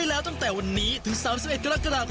คาถาที่สำหรับคุณ